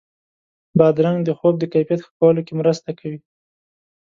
بادرنګ د خوب د کیفیت ښه کولو کې مرسته کوي.